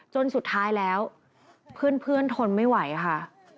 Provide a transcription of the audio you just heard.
จนสุดท้ายแล้วเพื่อนทนไม่ไหวค่ะ